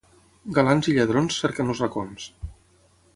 Galants i lladrons cerquen els racons.